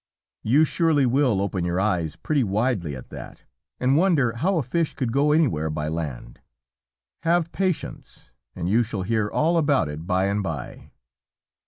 You surely will open your eyes pretty widely at that, and wonder how a fish could go anywhere by land. Have patience and you shall hear all about it by and by.